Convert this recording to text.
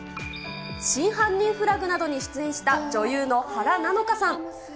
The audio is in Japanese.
真犯人フラグなどに出演した、女優の原菜乃華さん。